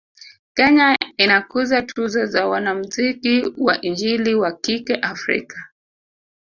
Kenya inakuza tuzo za wanamzuki wa injili wa kike Afika